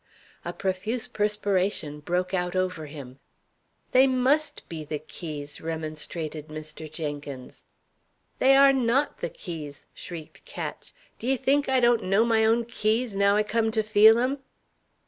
A profuse perspiration broke out over him. "They must be the keys," remonstrated Mr. Jenkins. "They are not the keys," shrieked Ketch. "D'ye think I don't know my own keys, now I come to feel 'em?"